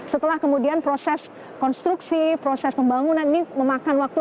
setelah kemudian proses konstruksi proses pembangunan ini memakan waktu